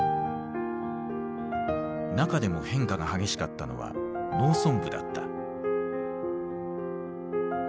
中でも変化が激しかったのは農村部だった。